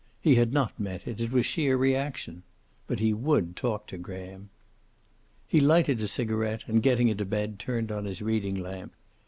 He had not meant it. It was sheer reaction. But he would talk to Graham. He lighted a cigaret, and getting into bed turned on his reading lamp.